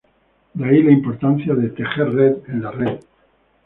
de ahí la importancia de “tejer red” en la Red